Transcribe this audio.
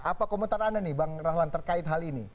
apa komentar anda nih bang rahlan terkait hal ini